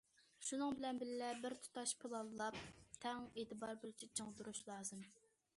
شۇنىڭ بىلەن بىللە، بىر تۇتاش پىلانلاپ تەڭ ئېتىبار بېرىشتە چىڭ تۇرۇش لازىم.